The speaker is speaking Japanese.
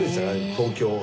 東京を。